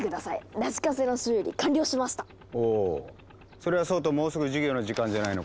それはそうともうすぐ授業の時間じゃないのか？